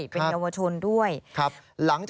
มันเกิดเหตุเป็นเหตุที่บ้านกลัว